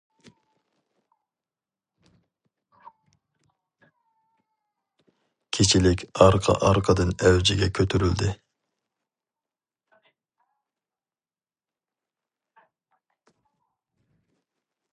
كېچىلىك ئارقا- ئارقىدىن ئەۋجىگە كۆتۈرۈلدى.